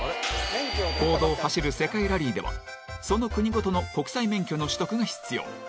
公道を走る世界ラリーではその国ごとの国際免許の取得が必要。